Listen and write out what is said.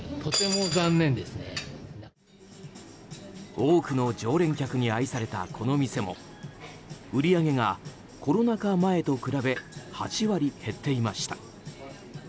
多くの常連客に愛されたこの店も売り上げが、コロナ禍前と比べ８割減っていました。